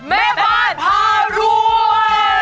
แม่บ้านพารวย